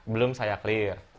belum saya clear